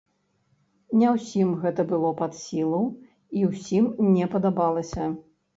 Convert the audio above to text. Не ўсім гэта было пад сілу і ўсім не падабалася.